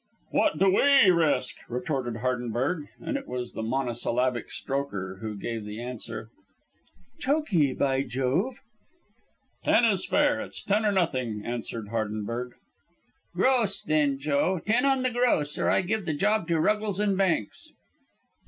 "What do we risk?" retorted Hardenberg; and it was the monosyllabic Strokher who gave the answer: "Chokee, by Jove!" "Ten is fair. It's ten or nothing," answered Hardenberg. "Gross, then, Joe. Ten on the gross or I give the job to the Ruggles and Banks."